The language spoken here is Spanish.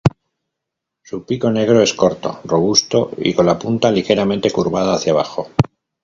Su pico negro es corto, robusto y con la punta ligeramente curvada hacia abajo.